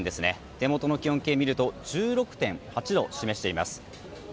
手元の気温計を見ると１６．８度を示しています。